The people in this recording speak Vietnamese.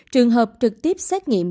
trường hợp trực tiếp xét nghiệm